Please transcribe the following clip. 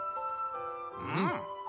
うん。